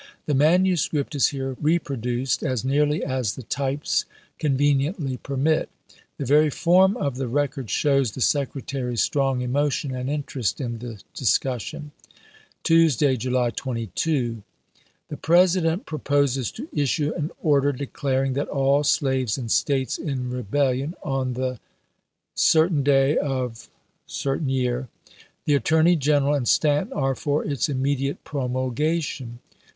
The manu script is here reproduced as nearly as the types conveniently permit. The very form of the record 128 ABKAHAM LINCOLN Chap. VI. sliows the Secretary's strong emotion and interest in the discussion : Tuesday, July 22. The President proposes to issue an order declaring that, all slaves in States in rebellion on the day of The Attorney G eneral and Stanton are for its immedi ate promulgation.